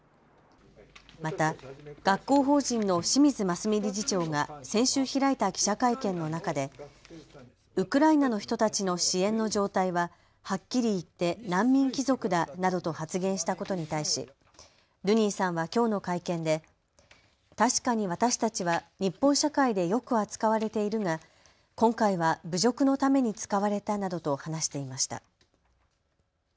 また学校法人の清水澄理事長が先週、開いた記者会見の中でウクライナの人たちの支援の状態ははっきり言って難民貴族だなどと発言したことに対しルニンさんはきょうの会見で確かに私たちは日本社会でよく扱われているが今回は侮辱のために使われたなどと話していました。